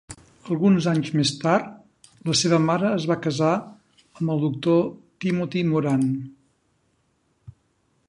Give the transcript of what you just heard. Alguns anys més tard, la seva mare es va casar amb el doctor Timothy Moran.